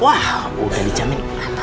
wah udah dijamin